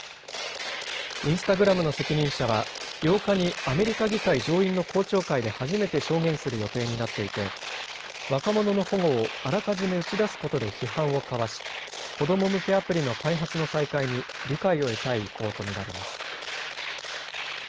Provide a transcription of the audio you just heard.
インスタグラムの責任者は８日にアメリカ議会上院の公聴会で初めて証言する予定になっていて若者の保護をあらかじめ打ち出すことで批判をかわし子ども向けアプリの開発の再開に理解を得たい意向と見られます。